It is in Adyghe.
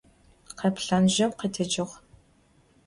Kheplhan jeu khetecığ.